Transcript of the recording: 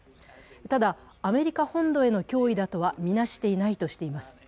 ただ、アメリカ本土への脅威だとはみなしていないとしています。